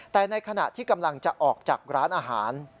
แต่ในขณะที่กำลังจะออกจากร้านอาหาร